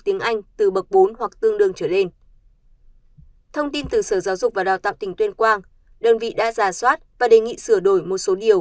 thông tin từ sở giáo dục và đào tạo tỉnh tuyên quang đơn vị đã giả soát và đề nghị sửa đổi một số điều